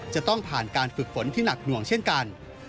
จะต้องผ่านการฝึกฝนที่หนักหน่วงเช่นกัน